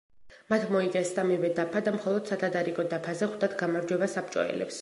მათ მოიგეს სამივე დაფა და მხოლოდ სათდარიგო დაფაზე ხვდათ გამარჯვება საბჭოელებს.